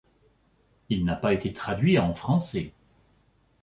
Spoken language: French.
Il n'a pas été traduit en français.